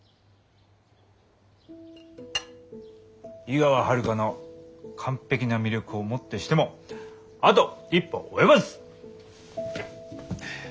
井川遥の完璧な魅力をもってしてもあと一歩及ばず！